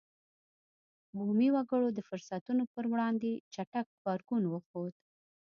بومي وګړو د فرصتونو پر وړاندې چټک غبرګون وښود.